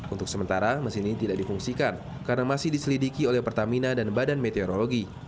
untuk sementara mesin ini tidak difungsikan karena masih diselidiki oleh pertamina dan badan meteorologi